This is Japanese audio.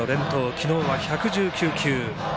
昨日は１１９球。